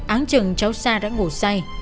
áng chừng cháu sa đã ngủ say